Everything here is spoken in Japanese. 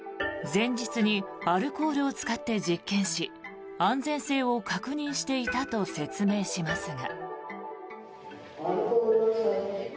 前日にアルコールを使って実験し安全性を確認していたと説明しますが。